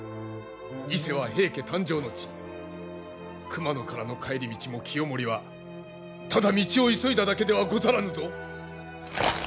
熊野からの帰り道も清盛はただ道を急いだだけではござらぬぞ！